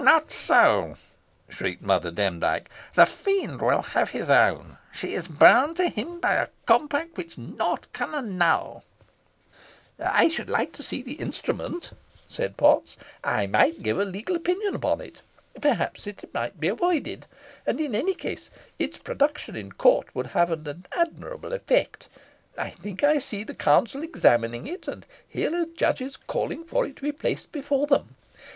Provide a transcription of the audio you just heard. "Not so!" shrieked Mother Demdike; "the Fiend will have his own. She is bound to him by a compact which nought can annul." "I should like to see the instrument," said Potts. "I might give a legal opinion upon it. Perhaps it might be avoided; and in any case its production in court would have an admirable effect. I think I see the counsel examining it, and hear the judges calling for it to be placed before them.